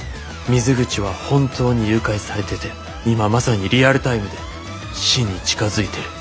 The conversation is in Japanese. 水口は本当に誘拐されてて今まさにリアルタイムで死に近づいてる。